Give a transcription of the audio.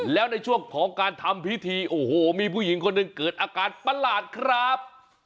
แล้วในช่วงของการทำพิธีโอ้โหมีผู้หญิงคนหนึ่งเกิดอาการประหลาดครับ